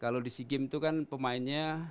kalau di si game itu kan pemainnya